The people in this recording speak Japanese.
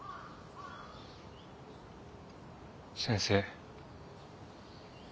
先生。